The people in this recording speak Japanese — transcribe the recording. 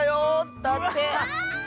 だって。